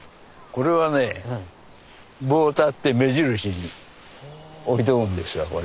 これはね棒を立てて目印においておくんですよ